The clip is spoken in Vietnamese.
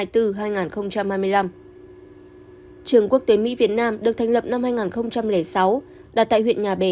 trường quốc tế mỹ việt nam được thành lập năm hai nghìn sáu đặt tại huyện nhà bè